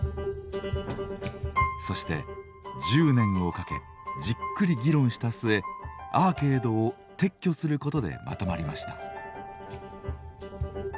そして１０年をかけじっくり議論した末アーケードを撤去することでまとまりました。